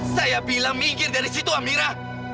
saya bilang minggir dari situ amira